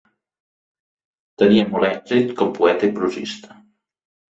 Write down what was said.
Tenia molt èxit com poeta i prosista.